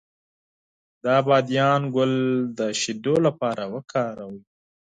د بادیان ګل د شیدو لپاره وکاروئ